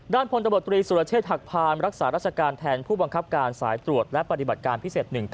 พลตำรวจตรีสุรเชษฐหักพานรักษาราชการแทนผู้บังคับการสายตรวจและปฏิบัติการพิเศษ๑๙